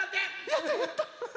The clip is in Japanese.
やったやった！